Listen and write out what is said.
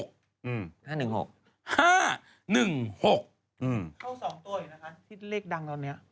เข้า๒ตัวอยู่นะคะที่เลขดังตอนเนี้ย